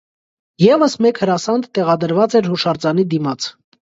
Եվս մեկ հրասանդ տեղադրված էր հուշարձանի դիմաց։